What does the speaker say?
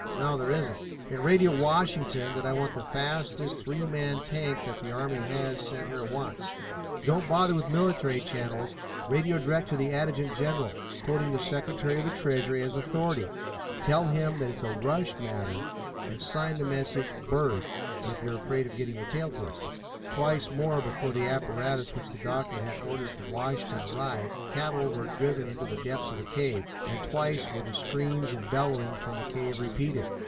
"No, there isn't." "Then radio Washington that I want the fastest three man tank that the army has sent here at once. Don't bother with military channels, radio direct to the Adjutant General, quoting the Secretary of the Treasury as authority. Tell him that it's a rush matter, and sign the message 'Bird' if you are afraid of getting your tail twisted." Twice more before the apparatus which the doctor had ordered from Washington arrived cattle were driven into the depths of the cave, and twice were the screams and bellowings from the cave repeated.